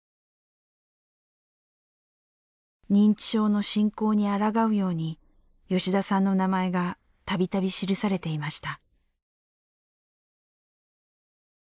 認知症の進行に抗うように吉田さんの名前がたびたび記されていました。